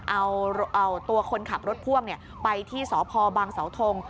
เอาตัวคนขับรถพ่วงไปที่สพบังเสาทง